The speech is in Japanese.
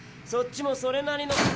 そっちもそれなりの。